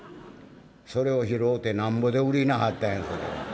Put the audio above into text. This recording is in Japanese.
それを拾うてなんぼで売りなはったんやそれ」。